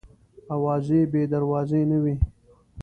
اوازې بې دروازې نه وي.